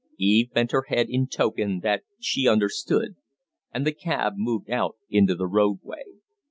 Eve bent her head in token that she understood, and the cab moved out into the roadway.